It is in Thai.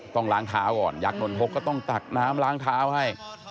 ต้องล้างเท้าก่อนยักษ์นนทกก็ต้องตักน้ำล้างเท้าให้